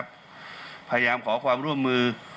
พยายามขอความร่วมมือ